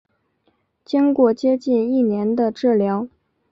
经过接近一年的治疗